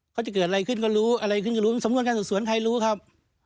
เขาจะเกิดอะไรขึ้นก็รู้ประมาณส่วนใครรู้ครับ